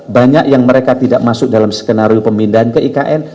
banyak yang mereka tidak masuk dalam skenario pemindahan ke ikn